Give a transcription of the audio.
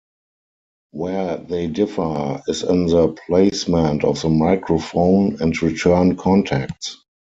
Where they differ is in the placement of the microphone and return contacts.